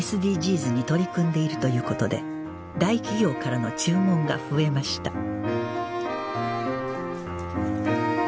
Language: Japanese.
ＳＤＧｓに取り組んでいるということで大企業からの注文が増えました